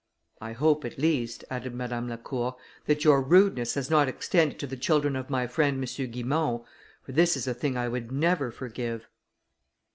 "I hope, at least," added Madame Lacour, "that your rudeness has not extended to the children of my friend M. Guimont; for this is a thing I would never forgive."